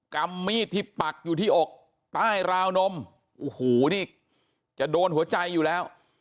กรรมมีดที่ปักอยู่ที่อกใต้ราวนมโอ้โหนี่จะโดนหัวใจอยู่แล้ว